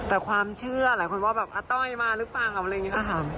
แต่ความเชื่อหลายคนว่าแบบอาต้อยมาหรือเปล่าอะไรอย่างนี้ค่ะ